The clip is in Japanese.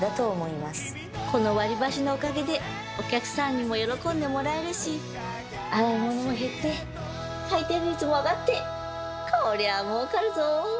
この割り箸のおかげでお客さんにも喜んでもらえるし洗い物も減って回転率も上がってこりゃもうかるぞ！